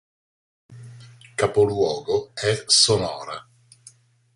Capoluogo è Sonora.